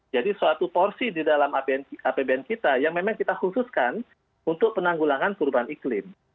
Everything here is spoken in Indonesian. jadi suatu porsi di dalam apbn kita yang memang kita khususkan untuk penanggulangan perubahan iklim